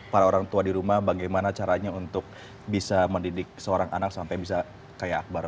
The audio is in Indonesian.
para orang tua di rumah bagaimana caranya untuk bisa mendidik seorang anak sampai bisa kayak akbar